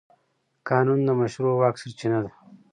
قانون د مشروع واک سرچینه ده.